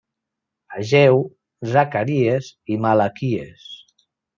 Ageu, Zacaries i Malaquies.